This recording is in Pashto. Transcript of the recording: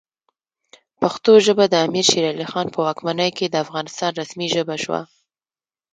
پښتو ژبه د امیر شیرعلی خان په واکمنۍ کې د افغانستان رسمي ژبه شوه.